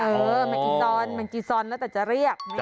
เออมันอีซอนมันจีซอนแล้วแต่จะเรียก